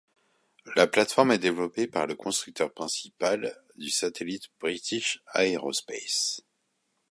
La plateforme est développée par le constructeur principal du satellite British Aerospace.